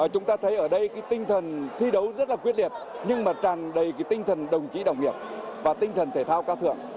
chúng ta thấy ở đây cái tinh thần thi đấu rất là quyết liệt nhưng mà tràn đầy cái tinh thần đồng chí đồng nghiệp và tinh thần thể thao cao thượng